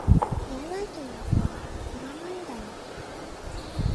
言えないというか言わないんだよ